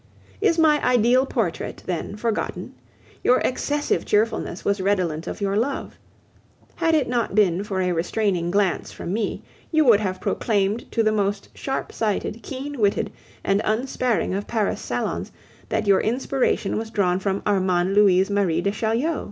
Is my ideal portrait, then, forgotten? Your excessive cheerfulness was redolent of your love. Had it not been for a restraining glance from me, you would have proclaimed to the most sharp sighted, keen witted, and unsparing of Paris salons, that your inspiration was drawn from Armande Louise Marie de Chaulieu.